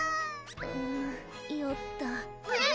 うんよったえっ